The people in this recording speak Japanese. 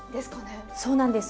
そうなんです。